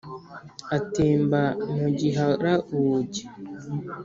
atemba mu giharabuge.